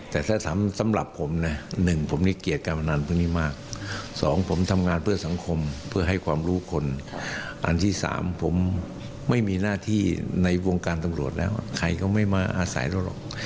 แต่ถ้าสำหรับผมนะหนึ่งผมนี่เกลียดการพนันพวกนี้มากสองผมทำงานเพื่อสังคมเพื่อให้ความรู้คนอันที่๓ผมไม่มีหน้าที่ในวงการตำรวจแล้วใครก็ไม่มาอาศัยเราหรอก